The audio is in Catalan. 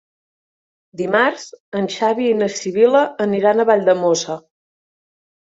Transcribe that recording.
Dimarts en Xavi i na Sibil·la aniran a Valldemossa.